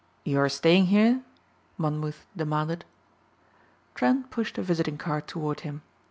"You are staying here?" Monmouth demanded. Trent pushed a visiting card toward him.